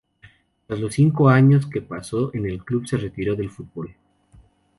Tras los cinco años que pasó en el club, se retiró del fútbol.